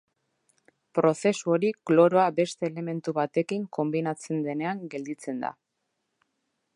Prozesu hori kloroa beste elementu batekin konbinatzen denean gelditzen da.